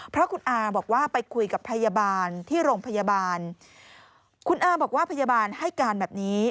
เพราะคุณอาบอกว่าไปคุยกับพยาบาลที่โรงพยาบาลคุณอาบอกว่าพยาบาลให้การแบบนี้